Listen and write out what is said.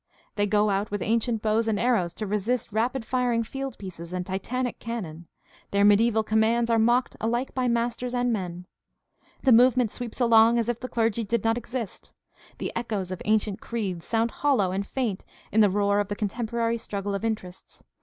They go out with ancient bows and arrows to resist rapid firing fieldpieces and titanic cannon; their mediaeval commands are mocked alike by masters and men. The movement sweeps along as if the clergy did not exist. The echoes of ancient creeds sound hollow and faint in the roar of the contemporary struggle of interests.